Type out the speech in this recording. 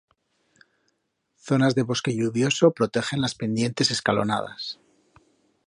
Zonas de bosque lluvioso protegen las pendientes escalonadas.